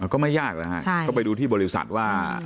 ก็ไม่ยากแล้วฮะก็ไปดูที่บริษัทว่า